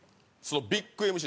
ビッグＭＣ